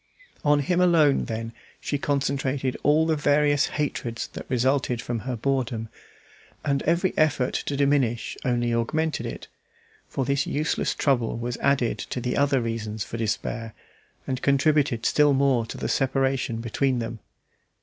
On him alone, then, she concentrated all the various hatreds that resulted from her boredom, and every effort to diminish only augmented it; for this useless trouble was added to the other reasons for despair, and contributed still more to the separation between them.